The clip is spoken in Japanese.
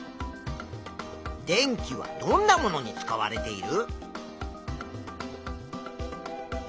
電気はどんなものに使われている？